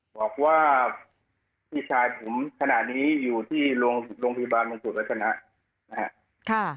บอกว่าพี่ชายผมขณะนี้อยู่ที่โรงพยาบาลมงกุฎวัฒนะนะครับ